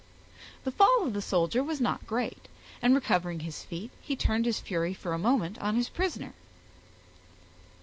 The fall of the soldier was not great, and recovering his feet, he turned his fury for a moment on his prisoner.